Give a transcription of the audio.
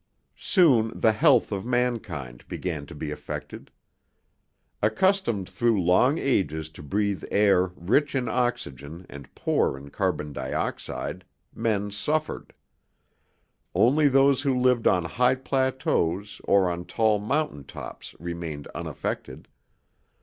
Soon the health of mankind began to be affected. Accustomed through long ages to breathe air rich in oxygen and poor in carbon dioxide, men suffered. Only those who lived on high plateaus or on tall mountaintops remained unaffected.